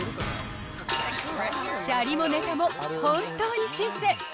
シャリもネタも本当に新鮮。